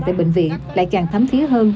tại bệnh viện lại càng thấm phía hơn